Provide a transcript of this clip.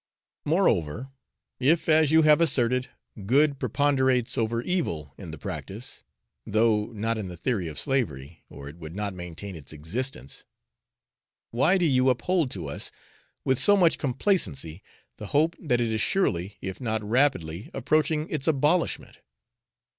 Moreover, if, as you have asserted, good preponderates over evil in the practice, though not in the theory of slavery, or it would not maintain its existence, why do you uphold to us, with so much complacency, the hope that it is surely if not rapidly approaching its abolishment?